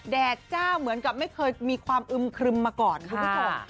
แดดเจ้าเหมือนกับไม่เคยมีความอึมครึมมาก่อนคุณผู้ชม